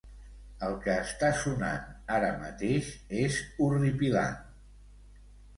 El que està sonant ara mateix és horripilant.